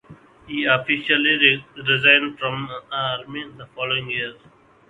He officially resigned from the army the following year.